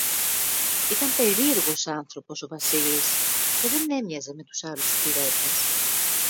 Ήταν περίεργος άνθρωπος ο Βασίλης, και δεν έμοιαζε με τους άλλους υπηρέτες